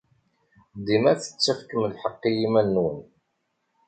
Dima tettakfem lḥeqq i yiman-nwen.